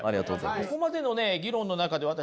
ここまでのね議論の中で私